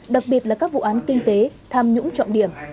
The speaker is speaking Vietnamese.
đặc biệt là các vụ án kinh tế tham nhũng trọng điểm